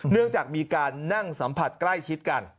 เนื่องจากมีการนั่งสัมผัสใกล้ชิดกัน